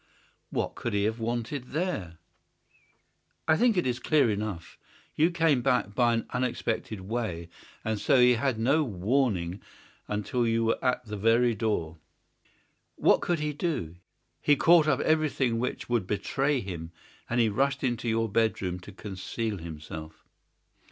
"What could he have wanted there?" "I think it is clear enough. You came back by an unexpected way, and so he had no warning until you were at the very door. What could he do? He caught up everything which would betray him and he rushed into your bedroom to conceal himself."